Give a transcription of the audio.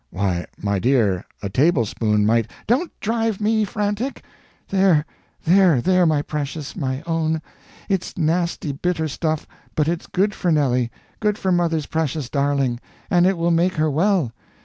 "Why, my dear, a tablespoonful might " "Don't drive me frantic! ... There, there, there, my precious, my own; it's nasty bitter stuff, but it's good for Nelly good for mother's precious darling; and it will make her well.